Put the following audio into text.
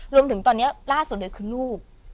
จนถึงตอนนี้ล่าสุดเลยคือลูก